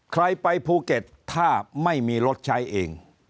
ใครไปภูเก็ตถ้าไม่มีรถใช้เอง